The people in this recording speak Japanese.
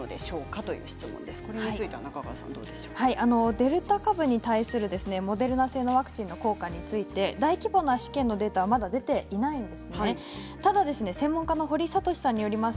デルタ株に対するモデルナ製のワクチンの効果について大規模な試験のデータはまだ出ていないんです。